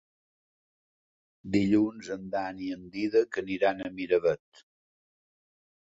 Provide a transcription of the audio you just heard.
Dilluns en Dan i en Dídac aniran a Miravet.